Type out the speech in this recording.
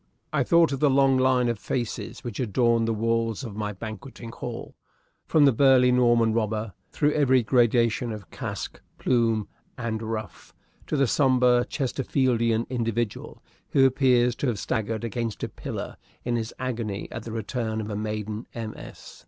I thought of the long line of faces which adorned the walls of my banqueting hall, from the burly Norman robber, through every gradation of casque, plume, and ruff, to the sombre Chesterfieldian individual who appears to have staggered against a pillar in his agony at the return of a maiden MS.